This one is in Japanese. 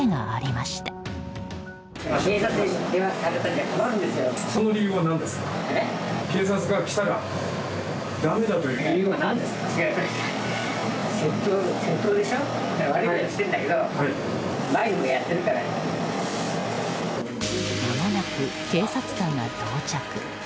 まもなく警察官が到着。